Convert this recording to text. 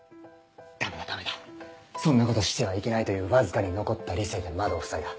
ダメだダメだそんなことしてはいけないというわずかに残った理性で窓をふさいだ。